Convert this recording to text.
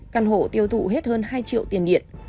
căn hộ tiêu thụ hết hơn hai triệu tiền điện